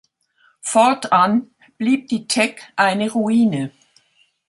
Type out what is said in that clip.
Fortan blieb die Teck eine Ruine.